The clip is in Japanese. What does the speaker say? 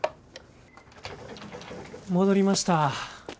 戻りました。